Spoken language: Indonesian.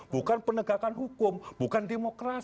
bukan penegakan hukum bukan demokrasi